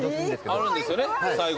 あるんですよね最後。